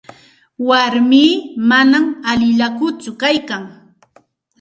Warmii manam allillakutsu kaykan.